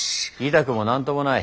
痛くも何ともない！